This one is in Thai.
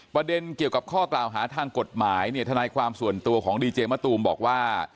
ประเด็นเกี่ยวกับข้อกล่าวหาทางกฎหมายเนี่ยทนายความส่วนตัวของดีเจมะตูมบอกว่า